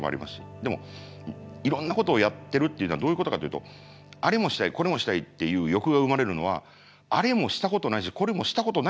でもいろんなことをやってるっていうのはどういうことかというとあれもしたいこれもしたいっていう欲が生まれるのはあれもしたことないしこれもしたことないからそうするんですね。